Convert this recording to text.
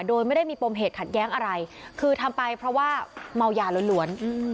โดยไม่ได้มีปมเหตุขัดแย้งอะไรคือทำไปเพราะว่าเมายาล้วน